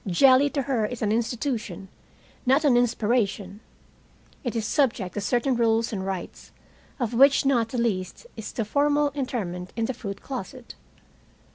Jelly to her is an institution, not an inspiration. It is subject to certain rules and rites, of which not the least is the formal interment in the fruit closet.